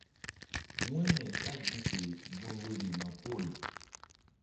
Wu̧yri ɓá gi ke gun woyri ma pol.